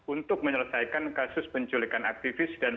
untuk menyelesaikan kasus penculikan aktivis dan